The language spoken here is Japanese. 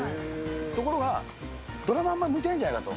ところが、ドラマあんまり向いてないんじゃないかと。